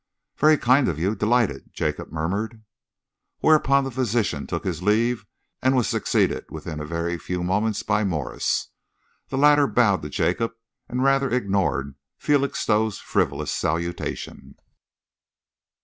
"Very kind of you delighted," Jacob murmured. Whereupon the physician took his leave and was succeeded within a very few moments by Morse. The latter bowed to Jacob and rather ignored Felixstowe's frivolous salutation.